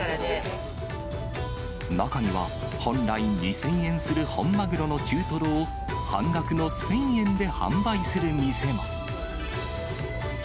中には本来２０００円する本マグロの中トロを、半額の１０００円で販売する店も。